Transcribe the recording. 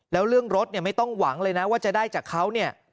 แล้วเรื่องรถเนี่ยไม่ต้องหวังเลยนะว่าจะได้จากเขาเนี่ย